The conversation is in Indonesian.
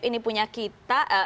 ini punya kita